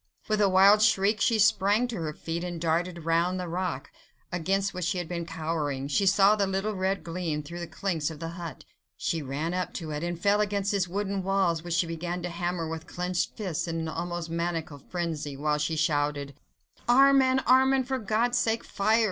With a wild shriek, she sprang to her feet, and darted round the rock, against which she had been cowering; she saw the little red gleam through the chinks of the hut; she ran up to it and fell against its wooden walls, which she began to hammer with clenched fists in an almost maniacal frenzy, while she shouted,— "Armand! Armand! for God's sake fire!